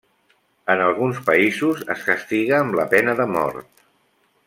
En alguns països es castiga amb la pena de mort.